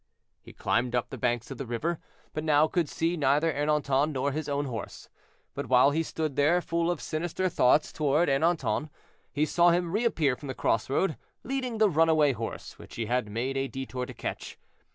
He climbed up the banks of the river, but now could see neither Ernanton nor his own horse. But while he stood there, full of sinister thoughts toward Ernanton, he saw him reappear from the cross road, leading the runaway horse, which he had made a detour to catch.